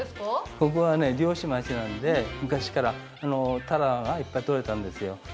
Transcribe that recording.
ここは漁師町なんで、昔からたらがいっぱいとれたんですよ。